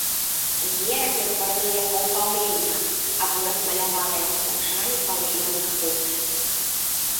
Гера ператварыла яго ў паўліна, або размалявала яго вачамі паўлінавы хвост.